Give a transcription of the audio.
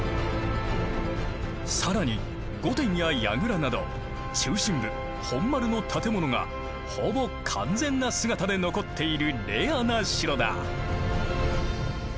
更に御殿や櫓など中心部本丸の建物がほぼ完全な姿で残っているレアな城だ。